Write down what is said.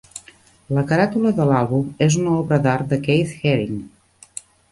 La caràtula de l'àlbum és una obra d'art de Keith Haring.